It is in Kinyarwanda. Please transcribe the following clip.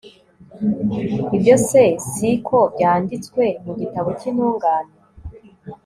ibyo se, si ko byanditswe mu gitabo cy'intungane